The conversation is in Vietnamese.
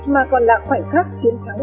mà còn là khoảnh khắc chiến thắng